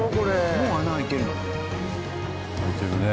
もう穴開いてるの？